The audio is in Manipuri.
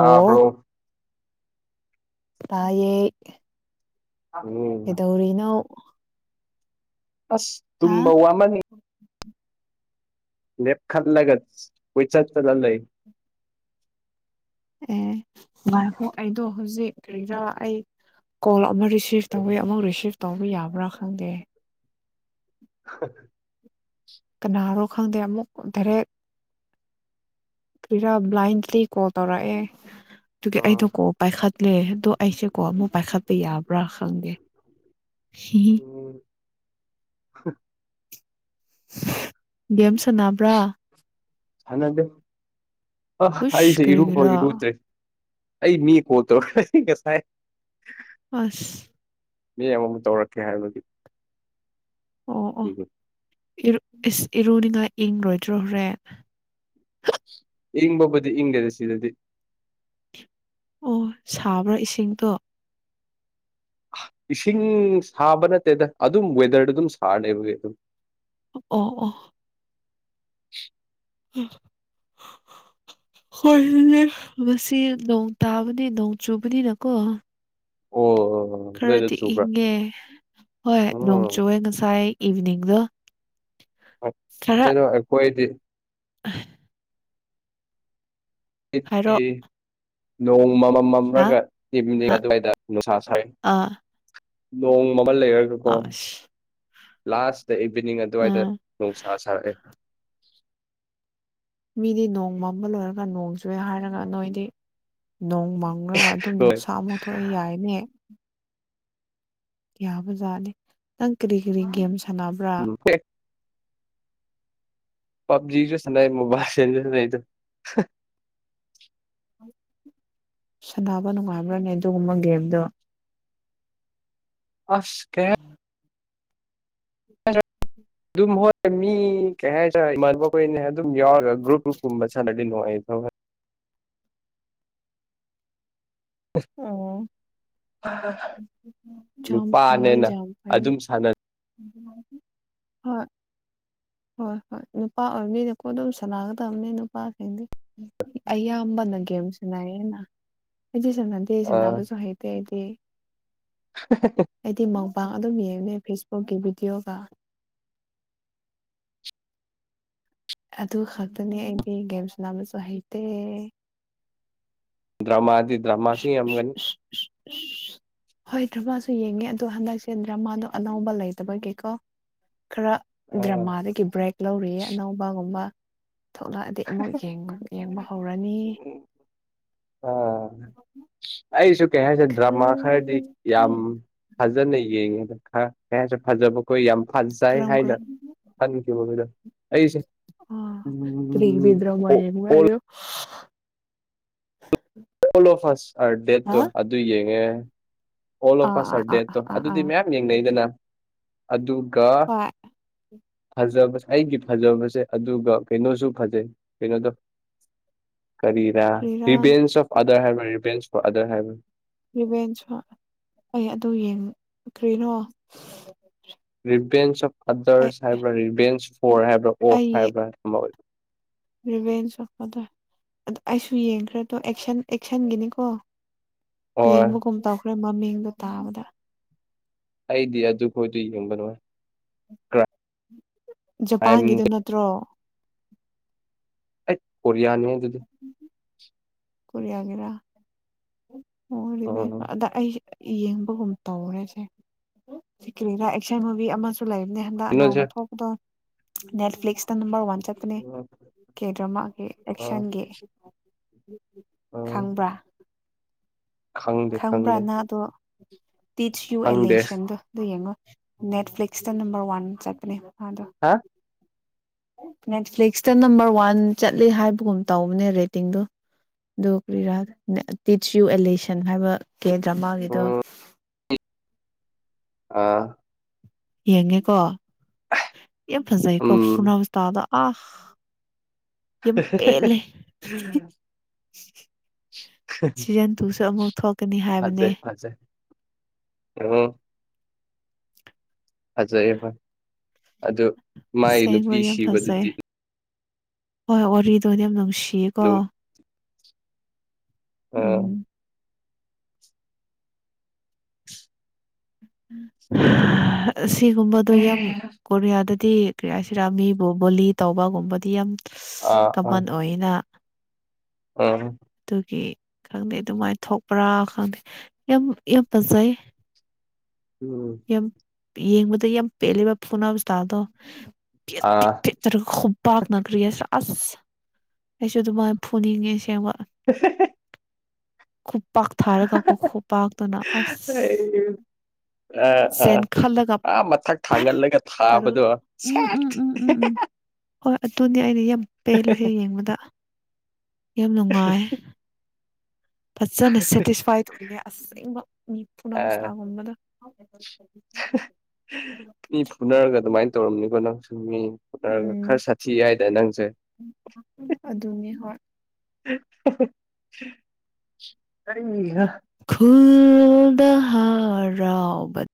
ꯑꯥ ꯕ꯭ꯔꯣ ꯇꯌꯦꯦ ꯎꯝ ꯀꯩꯗꯧꯔꯤꯅꯣ ꯑꯁ ꯑ ꯇꯨꯝꯕ ꯋꯥꯃꯟꯅꯤ ꯂꯦꯞ ꯈ ꯂꯒꯠ ꯄꯩꯁ ꯆꯂꯏ ꯑꯦ ꯉꯥꯏꯍꯣ ꯑꯩꯗꯣ ꯍꯧꯖꯤꯛ ꯀꯔꯤꯗꯥ ꯑꯩ ꯀꯣꯜ ꯑꯃ ꯔꯤꯁꯤꯞ ꯇꯧꯋꯤ ꯑꯥ ꯑꯃꯨꯛ ꯔꯤꯁꯤꯞ ꯇꯧꯕ ꯌꯥꯕ꯭ꯔꯥ ꯈꯪꯗꯦ [unintelligible] ꯀꯅꯥꯅꯣ ꯈꯪꯗꯦ ꯑꯃꯨꯛ ꯗꯥꯏꯔꯦꯛ ꯀꯔꯤꯔ ꯕ꯭ꯂꯥꯏꯟꯂꯤ ꯀꯣꯜ ꯇꯧꯔ ꯑꯦ ꯑꯗꯨꯒꯤ ꯑꯩꯗꯣ ꯀꯣ ꯄꯥꯏꯈꯠꯂꯦ ꯑꯗꯣ ꯑꯩꯁꯦꯀꯣ ꯑꯃꯨꯛ ꯄꯥꯏꯈꯠꯄ ꯌꯥꯕ꯭ꯔꯥ ꯈꯪꯗꯦ ꯎꯝ ꯦꯝ ꯁꯅꯕ꯭ꯔꯥ ꯁꯥꯟꯅꯗꯦ ꯑ ꯎꯁ ꯑꯩꯁꯦ ꯏꯔꯨꯈꯣ ꯀꯔꯤꯒꯤꯔꯥ ꯏꯔꯨꯗ꯭ꯔꯦ ꯑꯩ ꯃꯤ ꯀꯠꯇꯣ ꯀꯩꯁꯥꯏ ꯍꯁ ꯃꯤ ꯑꯃꯃꯨꯝ ꯇꯧꯔꯛꯀꯦ ꯍꯥꯏꯕꯗꯤ ꯑꯣ ꯑꯣ ꯏꯁ ꯏꯔꯨꯅꯤꯡꯉꯥꯏ ꯏꯪꯔꯣꯏꯗ꯭ꯔꯣ ꯍꯣꯔꯦꯟ ꯏꯪꯕꯕꯨꯗꯤ ꯏꯪꯒꯦꯗꯤ ꯁꯤꯗꯗꯤ ꯑꯣ ꯁꯥꯕ꯭ꯔꯥ ꯏꯁꯤꯡꯗꯣ ꯏꯁꯤꯡ ꯁꯥꯕ ꯅꯠꯇꯦꯗ ꯑꯗꯨꯝ ꯋꯦꯗꯔꯗ ꯑꯗꯨꯝ ꯁꯥꯔꯅꯦꯕꯒꯤ ꯑꯗꯨꯝ ꯑ ꯑ ꯎꯝ ꯍꯣꯏ ꯃꯁꯤ ꯅꯣꯡ ꯇꯥꯕꯅꯤ ꯅꯣꯡ ꯆꯨꯕꯅꯤꯅꯀꯣ ꯑꯣ ꯅꯣꯏꯗ ꯈꯔꯗꯤ ꯆꯨꯕ꯭ꯔꯥ ꯏꯪꯉꯦ ꯍꯣꯏ ꯎꯝ ꯅꯣꯡꯆꯨꯦ ꯉꯁꯥꯏ ꯏꯚꯤꯅꯤꯡꯗꯣ ꯀꯩꯅꯩꯅꯣ ꯀꯣꯏꯗꯤ ꯑ ꯍꯥꯏꯔꯣ ꯅꯣꯡ ꯑꯃꯃꯝꯒ ꯍꯥ ꯍꯥ ꯑꯗꯨꯋꯥꯏꯗ ꯅꯨꯡꯁꯥ ꯁ ꯑꯥ ꯃꯣꯕꯜ ꯌꯦꯛꯇꯀꯣ ꯑꯁ ꯂꯥꯁꯥꯁ ꯏꯚꯤꯅꯤꯡ ꯑꯗꯨꯋꯥꯏꯗ ꯎꯝ ꯅꯨꯡꯁꯥ ꯁꯥꯔꯛꯑꯦ ꯃꯤꯗꯤ ꯅꯣꯡ ꯃꯥꯡꯕ ꯂꯣꯏꯔꯒ ꯅꯣꯡ ꯆꯨꯏꯦ ꯍꯥꯏꯔꯒ ꯅꯣꯏꯗꯤ ꯅꯣꯡ ꯃꯥꯡ ꯈꯪꯈ꯭ꯔꯒ ꯑꯗꯨꯝ ꯍꯣꯏ ꯅꯨꯡꯁꯥ ꯑꯃꯛ ꯊꯣꯛꯑꯦ ꯌꯥꯏꯅꯦ ꯌꯥꯕꯖꯥꯠꯅꯦ ꯅꯪ ꯀꯔꯤ ꯀꯔꯤ ꯒꯦꯝ ꯁꯥꯟꯅꯕ꯭ꯔꯥ ꯎꯝ ꯑꯦ ꯄꯕꯖꯤꯁꯨꯁꯅ ꯃꯣꯕꯥꯜ ꯂꯤꯖꯟꯁꯨ ꯁꯥꯂ ꯁꯥꯟꯅꯕ ꯅꯨꯡꯉꯥꯏꯕ꯭ꯔꯥꯅꯦ ꯑꯗꯨꯒꯨꯝꯕ ꯒꯦꯝꯗꯣ ꯑꯁ ꯀꯦ ꯑꯗꯨꯃ ꯃꯤ ꯀꯩ ꯍꯥꯏꯇꯥꯔꯦ ꯃꯈꯣꯏꯅ ꯑꯗꯨꯝ ꯌꯥꯎꯔꯒ ꯒ꯭ꯔꯨꯞ ꯒ꯭ꯔꯨꯞꯀꯨꯝꯕ ꯁꯠꯂꯂꯤ ꯅꯣ ꯑꯩ ꯑ ꯅꯨꯄꯥꯅꯦꯅ ꯌꯥꯝ ꯐꯩꯌꯦ ꯑꯗꯨꯝ ꯁꯥꯟꯅ ꯍꯣꯏ ꯍꯣꯏ ꯍꯣꯏ ꯅꯨꯄꯥ ꯑꯣꯏꯕꯅꯤꯅꯦꯀꯣ ꯑꯗꯨꯝ ꯁꯅꯥꯒꯗꯕꯅꯤ ꯅꯨꯄꯥꯁꯤꯡꯗꯤ ꯑꯌꯥꯝꯕꯅ ꯒꯦꯝꯁꯅꯑ ꯑꯩꯗꯤ ꯁꯝꯅꯗꯦ ꯑꯩ ꯁ ꯑꯥ ꯅꯥꯕꯁꯨ ꯍꯩꯇꯦ ꯑꯩꯗꯤ ꯑꯩꯗꯤ ꯃ ꯄꯥ ꯑꯗꯨꯝ ꯌꯦꯡꯉꯨꯅꯦ ꯐꯦꯁꯕꯨꯛꯀꯤ ꯚꯤꯗꯤꯑꯣꯒ ꯑꯗꯨ ꯈꯛꯇꯅꯤ ꯑꯩꯗꯤ ꯒꯦꯝꯁ ꯅꯥꯕꯁꯨ ꯍꯩꯇꯦ ꯗ꯭ꯔꯃꯥꯗꯤ ꯗ꯭ꯔꯃꯥꯁꯤ ꯌꯥꯝꯒꯅꯤ ꯨ ꯌꯦꯡꯉꯦ ꯑꯗꯣ ꯍꯟꯗꯛꯁꯦ ꯗ꯭ꯔꯃꯥꯗꯣ ꯑꯅꯧꯕ ꯂꯩꯇꯕꯒꯤꯀꯣ ꯈꯔ ꯑꯥ ꯗ꯭ꯔꯃꯥꯗꯒꯤ ꯕ꯭ꯔꯦꯛ ꯂꯧꯔꯤ ꯑꯅꯧꯕꯒꯨꯝꯕ ꯊꯣꯛꯂꯛꯑꯗꯤ ꯑꯃꯨꯛ ꯌꯦꯡꯕ ꯍꯧꯔꯅꯤ ꯑ ꯑꯩꯁꯨ ꯀꯩ ꯍꯥꯏꯁꯦ ꯗ꯭ꯔꯃꯥ ꯈꯔꯗꯤ ꯌꯥꯝ ꯀꯔꯝ ꯐꯖꯅ ꯌꯦꯡꯉꯦꯗ ꯈꯔ ꯀꯌꯥꯁꯦ ꯐꯖꯕꯈꯣꯏ ꯌꯥꯝ ꯐꯟꯖꯥꯏ ꯍꯥꯏꯅ ꯀꯔꯝ ꯈꯟꯈꯤꯕ ꯃꯤꯗꯣ ꯑꯩꯁꯦ ꯑ ꯎꯝ ꯇꯔꯤꯒꯕꯤꯗ꯭ꯔꯣ ꯃꯥ ꯑꯣ ꯑꯣꯜ ꯀꯥꯏꯗꯣ ꯂꯣ ꯐ ꯍꯥ ꯗꯦꯠꯇꯣ ꯑꯗꯨ ꯌꯦꯡꯉꯦ ꯑꯥ ꯑꯣꯂꯣꯄꯥ ꯑꯥ ꯁꯔ ꯑꯥ ꯑꯥ ꯗꯦꯠꯇꯣ ꯑꯥ ꯑꯗꯨꯗꯤ ꯑꯥ ꯃꯌꯥꯝ ꯌꯦꯡꯅꯩꯗꯅ ꯑꯗꯨꯒ ꯍꯣꯏ ꯐꯖꯕꯁ ꯑꯩꯒꯤ ꯐꯖꯕꯁꯦ ꯑꯗꯨꯒ ꯀꯩꯅꯣꯁꯨ ꯐꯖꯩ ꯀꯩꯅꯣꯗꯣ [inaudible] ꯀꯔꯤꯔ ꯀ꯭ꯔꯤꯔꯥ ꯔꯤꯚꯦꯟꯁ ꯑꯣ ꯑꯗꯔ ꯍꯥꯏꯕ ꯔꯤꯚꯦꯟꯁ ꯐꯣꯔ ꯑꯗꯔ ꯍꯥꯏꯕ ꯚꯦꯟꯁꯨ ꯑꯩ ꯑꯗꯨ ꯌꯦꯡꯈ꯭ꯔꯤꯅꯣ ꯔꯤꯚꯁꯑꯣꯐ ꯑꯗꯔꯁ ꯍꯥꯏꯕ꯭ꯔ ꯔꯤꯚꯦꯟꯁ ꯐ ꯍꯥꯏꯕ꯭ꯔ ꯑꯣꯐ ꯍꯥꯏꯕ꯭ꯔꯥ ꯔꯤꯚꯁ ꯑꫭꯐ ꯑꯗꯁ ꯑꯗꯨ ꯑꯩꯁꯨ ꯌꯦꯡꯈ꯭ꯔꯗꯣ ꯑꯦꯛꯁꯟꯒꯤꯅꯤꯀꯣ ꯑꯣ ꯌꯦꯡꯕꯒꯨꯝ ꯇꯧꯈ꯭ꯔꯦ ꯃꯃꯤꯡꯗꯨ ꯇꯥꯕꯗ ꯑꯩꯗꯤ ꯗꯨ ꯈꯣꯏꯗꯨꯨꯝꯕꯅ ꯀ꯭ꯔꯥꯏꯝ ꯖꯄꯥꯟꯒꯤꯗ ꯅꯠꯇ꯭ꯔꯣ ꯑꯦ ꯀꯔꯤꯌꯥꯅꯣ ꯑꯗꯨꯗꯤ ꯀꯔꯤ ꯑꯥ ꯍꯥꯏꯒꯦꯔꯕ ꯑꯗ ꯌꯦꯡꯕꯒꯨꯝ ꯇꯧꯔꯦꯁꯦ ꯁꯤ ꯀꯔꯤꯅꯥꯥ ꯑꯦꯛꯁꯟ ꯃꯨꯚꯤ ꯑꯃꯁꯨ ꯂꯩꯅꯦ ꯍꯟꯗꯛ ꯀꯩꯅꯣꯁꯦ ꯅꯅꯥꯥꯎꯅ ꯊꯣꯛꯄꯗꯣ ꯅꯦꯠꯐ꯭ꯛꯁ ꯅꯝꯕꯔ ꯋꯥꯟ ꯆꯠꯅꯦ ꯑꯥ ꯀꯦ ꯗ꯭ꯔꯃꯥꯒꯤ ꯑꯥ ꯑꯦꯛꯁꯟꯒꯤ ꯑꯥ ꯈꯪꯕ꯭ꯔꯥ ꯈꯪꯗꯦ ꯈꯪꯗꯦ ꯈꯪꯕ꯭ꯔꯥꯅ ꯑꯗꯣ ꯇꯤꯁ ꯌꯨ ꯈꯪꯗꯦ ꯑꯦꯂꯦꯁꯟꯗꯣ ꯑꯗꯨ ꯌꯦꯡꯉꯣ ꯅꯦꯠꯐ꯭ꯂꯤꯛꯁꯇ ꯅꯝꯕꯔ ꯋꯥꯟ ꯆꯠꯄꯅꯦ ꯑꯗꯣ ꯍꯥ ꯅꯦꯠꯐ꯭ꯂꯤꯛꯁꯇ ꯅꯝꯕꯔ ꯋꯥꯟ ꯆꯠꯂꯤ ꯍꯥꯏꯕꯒꯨꯝ ꯇꯧꯕꯅꯦ ꯔꯦꯇꯤꯡꯗꯨ ꯑꯣ ꯀ꯭ꯔꯤꯔꯥ ꯇꯤꯆ ꯌꯨ ꯑꯦꯂꯦꯁꯟ ꯍꯥꯏꯕ ꯀꯦ ꯗ꯭ꯔꯃꯥꯒꯤꯗꯣ [unintelligible] ꯎꯝ ꯑꯥ ꯌꯦꯡꯉꯦꯀꯣ ꯌꯥꯝ ꯐꯖꯩꯀꯣ ꯎꯝ ꯁꯨꯅꯥꯇꯥꯗ ꯑꯣꯐ ꯍ ꯁꯤꯖzꯟ ꯇꯨꯁꯨ ꯑꯃꯨꯛ ꯊꯣꯛꯀꯅꯤ ꯍꯥꯏꯕꯅꯦ ꯑ ꯐꯖꯩꯌꯦꯦ ꯐꯣꯏ ꯑꯗꯨ ꯃꯥꯏ ꯑꯁꯦꯡꯕ ꯅꯨꯄꯤ ꯌꯥꯝ ꯐꯖꯩ ꯁꯤꯕꯗꯨꯗꯤ ꯍꯣꯏ ꯋꯥꯔꯤꯗꯣꯗꯤ ꯌꯥꯝ ꯅꯨꯡꯁꯤꯌꯦꯀꯣ ꯑꯗꯨꯝ ꯑꯥ ꯎꯝ ꯁꯤꯒꯨꯝꯕꯗꯣ ꯌꯥꯝ ꯀꯣꯔꯤꯌꯥꯗ ꯗꯤ ꯀ꯭ꯔꯤꯌꯥꯁꯤꯔꯥ ꯃꯤꯕꯨ ꯕꯣꯂꯤ ꯇꯧꯕꯒꯨꯝꯕꯗꯤ ꯌꯥꯝ ꯑꯥ ꯑꯥ ꯀꯃꯟ ꯑꯣꯏꯅ ꯑꯥ ꯑꯗꯨꯒꯤ ꯈꯪꯗꯦ ꯑꯗꯨꯃꯥꯏꯅ ꯊꯣꯛꯄ꯭ꯔꯥ ꯈꯪꯗꯦ ꯌꯥꯝ ꯌꯥꯝ ꯐꯖꯩ ꯎꯝ ꯌꯦꯡꯕ ꯌꯥꯝ ꯄꯍꯂꯤ ꯐꯨꯅ ꯇꯗ ꯄꯠ ꯄꯤꯠ ꯑꯥ ꯄꯤꯠꯠꯇꯔ ꯈꯨꯄꯥꯛꯥꯛꯅꯅꯥꯒꯔꯤ ꯑ ꯑꯁ ꯑꯩꯁꯨ ꯑꯗꯨꯃꯥꯏꯅ ꯐꯨꯅꯤꯡꯉꯦ ꯁꯦꯝꯦꯡꯕ [unintelligible] ꯈꯨ ꯄꯥꯛꯊꯥꯔꯒꯀꯣ ꯈꯨꯄꯥꯛꯥꯛꯇꯨꯅ ꯑꯁ ꯑ ꯑꯥ ꯆꯦꯟꯈꯠꯂꯒ ꯑꯥ ꯃꯊꯛ ꯄꯦꯛ ꯊꯥꯡꯒꯜꯂꯒ ꯇꯧꯔꯒ ꯊꯥꯕꯗꯣ ꯑꯗꯨꯅꯦ ꯑꯩꯅ ꯌꯥꯝ ꯄꯦꯜꯂꯤꯁꯦ ꯌꯦꯡꯕꯗ ꯌꯥꯝ ꯅꯨꯡꯉꯥꯏ ꯐꯖꯅ ꯁꯦꯇꯤꯁꯐꯥꯏꯠ ꯑꯣꯏꯂꯦ ꯑꯁꯦꯡꯕ ꯃꯤ ꯑꯥ ꯄꯨꯒꯨꯝꯕꯗ ꯃꯤ ꯐꯨꯅꯔꯒ ꯑꯗꯨꯃꯥꯏꯅ ꯇꯧꯔꯝꯅꯤꯀꯣ ꯅꯪ ꯁꯨꯝ ꯃꯤ ꯈꯔ ꯎꯝ ꯁꯥꯊꯤ ꯍꯥꯏꯏꯗ ꯅꯪꯁꯦ ꯑꯗꯨꯅꯤ ꯍꯣꯏ ꯑ ꯗ ꯍꯥꯔꯥꯎꯕ